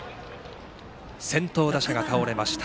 先頭打者が倒れました。